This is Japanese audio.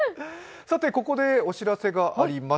ここでお知らせがあります。